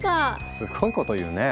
すごいこと言うね。